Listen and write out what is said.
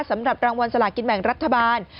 สำหรับรางวัลสลากินแบ่งรัฐบาล